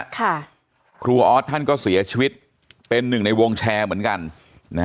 ครูออสท่านก็เสียชีวิตเป็นหนึ่งในวงแชร์เหมือนกันนะฮะ